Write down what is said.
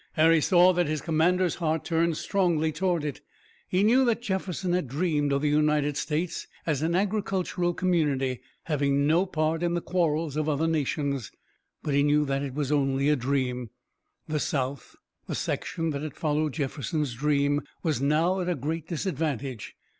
Harry saw that his commander's heart turned strongly toward it. He knew that Jefferson had dreamed of the United States as an agricultural community, having no part in the quarrels of other nations, but he knew that it was only a dream. The South, the section that had followed Jefferson's dream, was now at a great disadvantage.